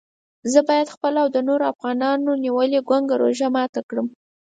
زه باید خپله او د نورو افغانانو نیولې ګونګه روژه ماته کړم.